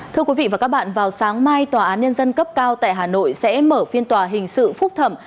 thưa quý vị và các bạn vào sáng mai tòa án nhân dân cấp cao tại hà nội sẽ mở phiên tòa hình sự phúc thẩm